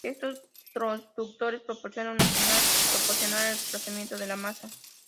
Estos transductores proporcionan una señal proporcional al desplazamiento de la masa.